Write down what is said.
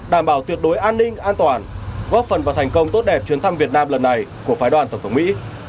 đảm bảo tuyệt đối an ninh an toàn góp phần vào thành công tốt đẹp chuyến thăm việt nam lần này của phái đoàn tổng thống mỹ